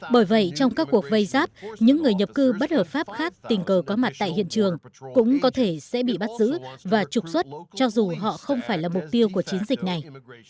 bởi vậy trong các cuộc vây giáp những người nhập cư bất hợp pháp khác tình cờ có mặt tại hiện trường cũng có thể sẽ bị bắt giữ và trục xuất cho dù họ không phải là mục tiêu của chiến dịch này